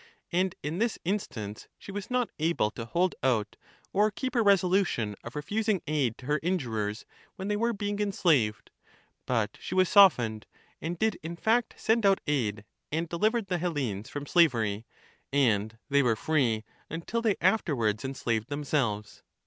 And in this instance she was not able to hold out or keep her resolution of refusing aid to 245 her injurers when they were being enslaved, but she was softened, and did in fact send out aid, and delivered the 528 The end of the war. Memxenus. Hellenes from slavery, and they were free until they after Socrates. wards enslaved themselves.